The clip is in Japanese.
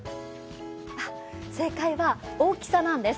正解は大きさなんです。